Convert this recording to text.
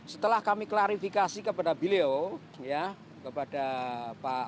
setelah kami klarifikasi kepada beliau kepada fonis